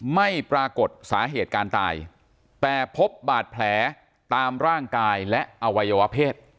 ไม่ปรากฏสาเหตุการตายแต่พบบาดแผลตามร่างกายและอวัยวะเพศ